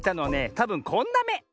たぶんこんなめ。